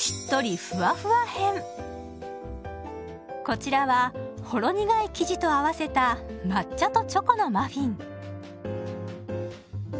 こちらはほろ苦い生地と合わせた抹茶とチョコのマフィン。